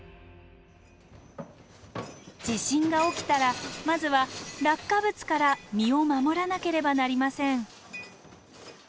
地震が起きたらまずは落下物から身を守らなければなりません。